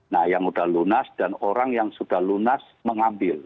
nah yang sudah lunas dan orang yang sudah lunas mengambil